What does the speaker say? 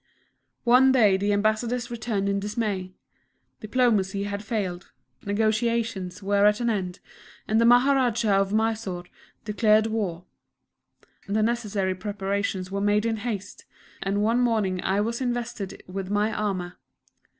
One day the Ambassadors returned in dismay; diplomacy had failed, negotiations were at an end, and the Maharajah of Mysore declared war. The necessary preparations were made in haste; and one morning I was invested with my armour.